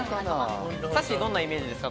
さっしー、どんなイメージですか？